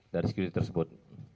dari sekuriti tersebut